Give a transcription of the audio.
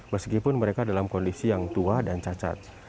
meskipun mereka dalam kondisi yang tua dan cacat